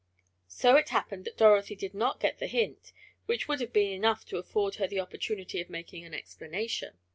So it happened that Dorothy did not get the hint that which would have been enough to afford her the opportunity of making an explanation.